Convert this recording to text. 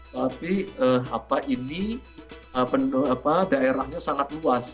tapi ini daerahnya sangat luas